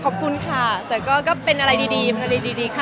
ก็กรบกุญค่ะหรือแบบเป็นอะไรดีข้ามปีกันค่ะ